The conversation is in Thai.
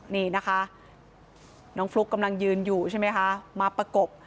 นี่นะคะน้องฟลุ๊กกำลังยืนอยู่ใช่ไหมคะมาประกบ